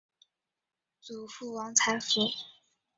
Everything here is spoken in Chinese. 祖父王才甫。